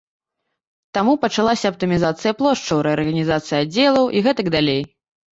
Таму пачалася аптымізацыя плошчаў, рэарганізацыя аддзелаў і гэтак далей.